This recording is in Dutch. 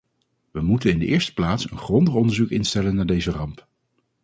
We moeten in de eerste plaats een grondig onderzoek instellen naar deze ramp.